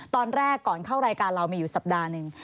ตอนแรกก่อนเข้ารายการเรามีอยู่สัปดาห์หนึ่ง